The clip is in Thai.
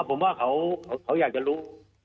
ผมว่าเขาอยากจะรู้